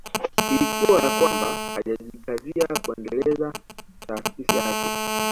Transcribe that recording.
Ilikuwa ya kwamba hajajikazia kuendeleza taasisi yake